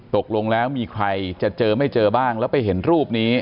ตกลงแล้วมีใครจะเจอไม่เจอบ้างแล้วไปเห็นรูปนี้